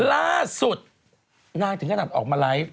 ล่าสุดนางถึงขนาดออกมาไลฟ์